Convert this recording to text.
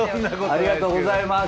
ありがとうございます。